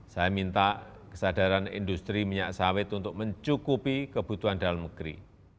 saya minta kesadaran industri minyak sawit untuk mencukupi kebutuhan dalam negeri